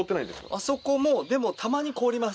あそこもでもたまに凍ります。